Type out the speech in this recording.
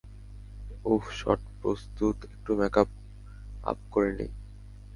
উহ shot প্রস্তুত, একটু makeup up করে নেই।